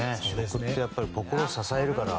食って心を支えるから。